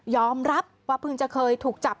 รับว่าเพิ่งจะเคยถูกจับ